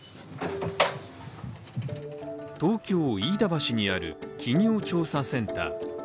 東京・飯田橋にある、企業調査センター。